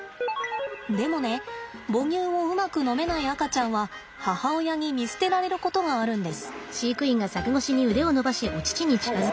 でもね母乳をうまく飲めない赤ちゃんは母親に見捨てられることがあるんです。